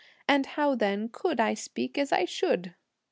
and how then could I speak as I should?"